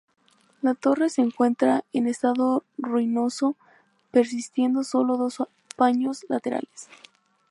La torre se encuentra en estado ruinoso persistiendo sólo dos paños laterales.